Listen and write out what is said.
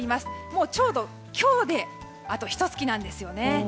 もうちょうど今日であとひと月なんですよね。